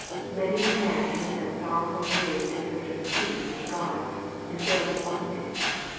Many a man has spent sorrowful years in search of peace with God, and failed to find it.